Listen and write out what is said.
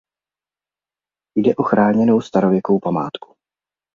Jde o chráněnou starověkou památku.